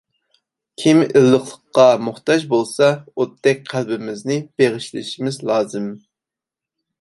كىم ئىللىقلىققا موھتاج بولسا، ئوتتەك قەلبىمىزنى بېغىشلىشىمىز لازىم.